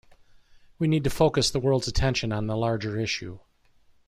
We need to focus the world's attention on the larger issue.